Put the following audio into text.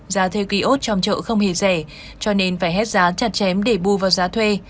giá thuê ký ốt trong chợ không hề rẻ cho nên phải hết giá chặt chém để bù vào giá thuê